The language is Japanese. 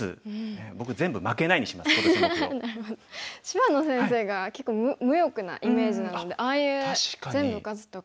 芝野先生が結構無欲なイメージなのでああいう「全部勝つ」とか。